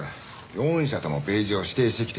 ４社ともページを指定してきて。